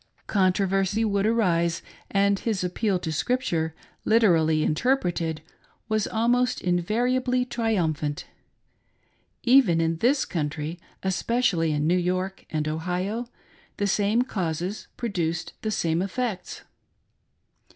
Controversy would arise, and his appeal to Scripture; literally interpreted, was almost invariably triumphant. Even in this country, especially in New York and Ohio, the same causes produced the same effects.